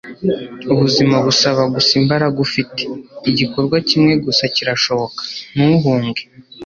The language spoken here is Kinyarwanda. ubuzima busaba gusa imbaraga ufite. igikorwa kimwe gusa kirashoboka; ntuhunge